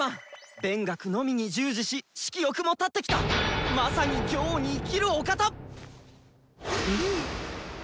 勉学のみに従事し色欲も断ってきたまさに業に生きるお方！